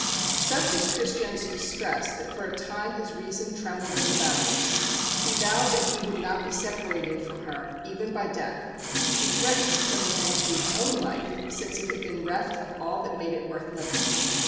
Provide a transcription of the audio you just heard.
Such was Christian's distress that for a time his reason trembled in the balance. He vowed that he would not be separated from her even by death; he threatened to put an end to his own life since it had been reft of all that made it worth living.